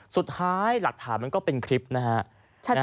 สุดท้ายหลักฐานมันก็เป็นคลิปนะฮะ